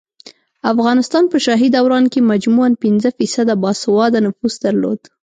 افغانستان په شاهي دوران کې مجموعاً پنځه فیصده باسواده نفوس درلود